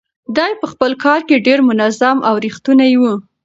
دی په خپل کار کې ډېر منظم او ریښتونی و.